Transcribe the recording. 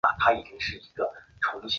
于是辽圣宗耶律隆绪将他处死。